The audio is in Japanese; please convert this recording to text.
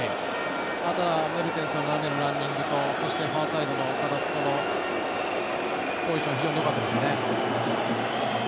あとはメルテンスのランニングとそして、ファーサイドのカラスコのポジションが非常によかったですね。